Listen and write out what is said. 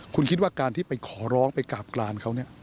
คุณคิดว่าการที่ไปขอร้องไปกราบกลานเขาเนี่ย